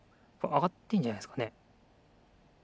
あがってんじゃないですかね？